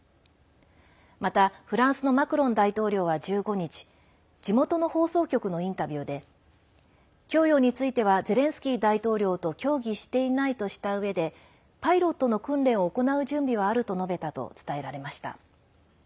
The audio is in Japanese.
また、フランスのマクロン大統領は１５日地元の放送局のインタビューで供与についてはゼレンスキー大統領と協議していないとしたうえでパイロットの訓練を行う準備はあると述べたと伝えられました。